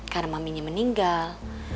karena maminya meninggal